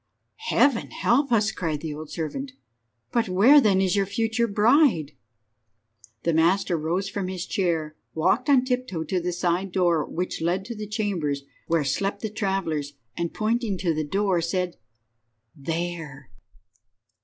"Heaven help us!" cried the old servant. "But where then is your future bride?" The master rose from his chair, walked on tiptoe to the side door, which led to the chambers where slept the travellers, and, pointing to the door, said— "There."